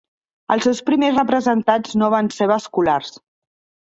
Els seus primers representants no van ser vasculars.